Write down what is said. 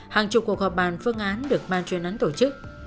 hàng chục cuộc họp bàn phương án được ban chuyên án tổ chức